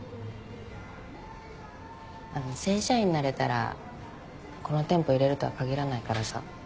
あの正社員になれたらこの店舗いれるとは限らないからさ。